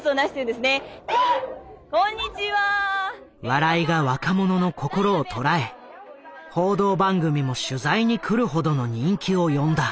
笑いが若者の心を捉え報道番組も取材に来るほどの人気を呼んだ。